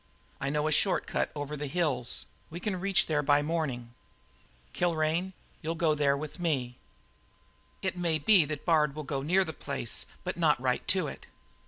I know a short cut over the hills; we can reach there by morning. Kilrain, you'll go there with me. "It may be that Bard will go near the old place, but not right to it.